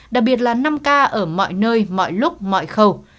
đặc biệt là năm k ở mọi nơi mọi lúc mọi khẩu